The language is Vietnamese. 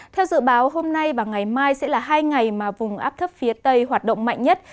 theo dự báo hôm nay và ngày mai sẽ là hai ngày mà vùng áp thấp phía tây hoạt động mạnh nhất